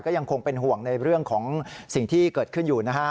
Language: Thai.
ยังคงเป็นห่วงในเรื่องของสิ่งที่เกิดขึ้นอยู่นะฮะ